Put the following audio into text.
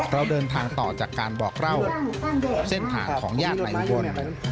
เราเดินทางต่อจากการบอกเล่าเส้นหาของญาติหลายคน